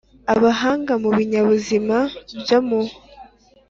Abahanga mu binyabuzima byo mu